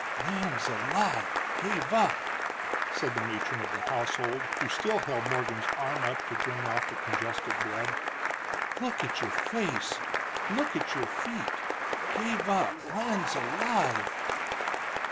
"Lands alive! gave up!" said the matron of the household, who still held Morgan's arm up to drain off the congested blood. "Look at your face, look at your feet! Gave up lands alive!"